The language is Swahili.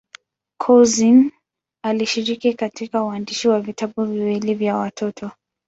Couzyn alishiriki katika uandishi wa vitabu viwili vya watoto.